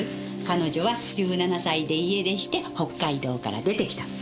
彼女は１７歳で家出して北海道から出てきたの。